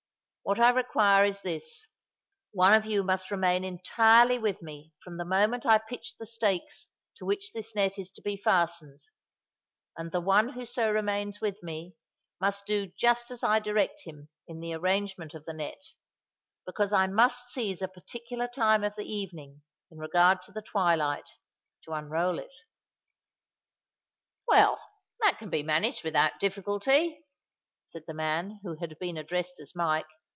What I require is this:—one of you must remain entirely with me from the moment I pitch the stakes to which this net is to be fastened; and the one who so remains with me, must do just as I direct him in the arrangement of the net; because I must seize a particular time of the evening, in regard to the twilight, to unroll it." "Well—that can be managed without difficulty," said the man who had been addressed as Mike.